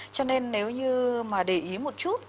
cho nên nếu như mà để ý một chút